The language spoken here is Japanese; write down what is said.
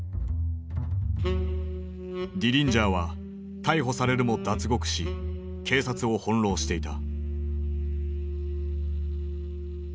ディリンジャーは逮捕されるも脱獄し警察を翻弄していた。